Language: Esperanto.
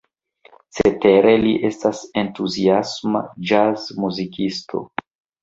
Cetere li estas entuziasma ĵaz-muzikisto.